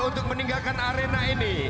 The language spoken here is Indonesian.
untuk meninggalkan arena ini